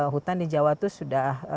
hutan di jawa itu sudah